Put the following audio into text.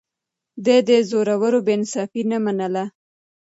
ده د زورورو بې انصافي نه منله.